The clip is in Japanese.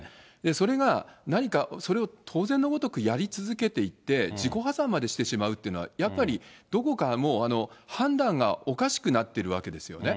それが、何かそれを当然のごとくやり続けていって、自己破産までしてしまうっていうのは、やっぱりどこかもう、判断がおかしくなってるわけですよね。